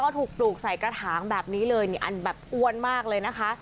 ถูกปลูกใส่กระถางแบบนี้เลยนี่อันแบบอ้วนมากเลยนะคะ